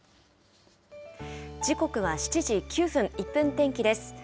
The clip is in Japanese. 時刻は７時９分、１分天気です。